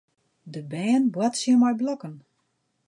De bern boartsje mei blokken.